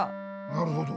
なるほど。